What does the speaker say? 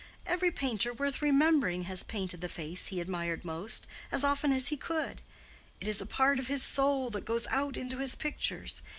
Every painter worth remembering has painted the face he admired most, as often as he could. It is a part of his soul that goes out into his pictures.